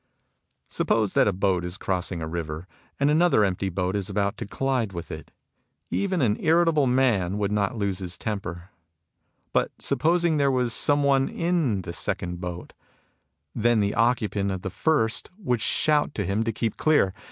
Suppose a boat is crossing a river, and another empty boat is about to collide with it. Even an irritable man would not lose his temper. But supposing there was some one in the second 76 MUSINGS OF A CHINESE MYSTIC boat. Then the occupant of the first would shout to him to keep clear.